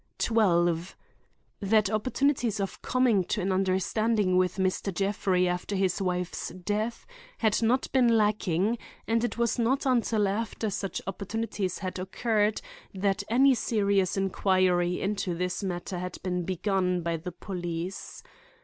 12. That opportunities of coming to an understanding with Mr. Jeffrey after his wife's death had not been lacking and it was not until after such opportunities had occurred that any serious inquiry into this matter had been begun by the police.